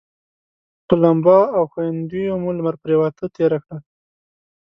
په لمبا او ښویندیو مو لمر پرېواته تېره کړه.